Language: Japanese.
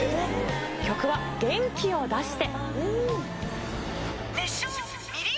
曲は、元気を出して。